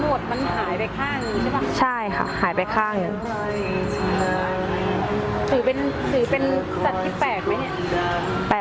ลองถามหลายคนไหมว่าเคยเห็นไหมตั๊กกะแตนเหมือนกัน